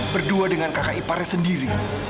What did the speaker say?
berdua dengan kakak iparnya sendiri